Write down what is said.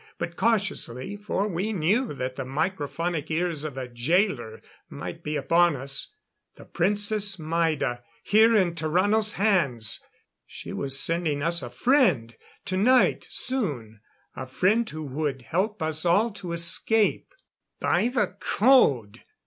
But cautiously, for we knew that the microphonic ears of a jailor might be upon us. The Princess Maida here in Tarrano's hands! She was sending us a friend tonight soon; a friend who would help us all to escape. "By the code!"